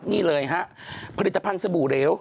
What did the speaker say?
นี่เลยฮะผลิตภัณฑ์สบู่เหลว